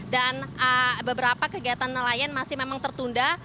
dan beberapa kegiatan nelayan masih memang tertunda